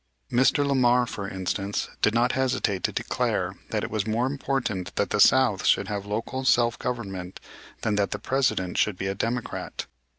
Mr. Lamar, for instance, did not hesitate to declare that it was more important that the South should have local self government than that the President should be a Democrat.